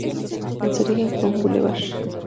En su origen fue un bulevar.